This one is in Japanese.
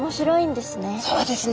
そうですね。